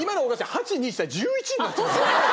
８２にしたら１１になっちゃう。